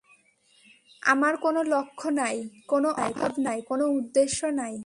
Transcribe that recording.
আমার কোন লক্ষ্য নাই, কোন অভাব নাই, কোন উদ্দেশ্য নাই।